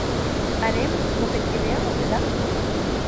Haren bikotekidea ote da?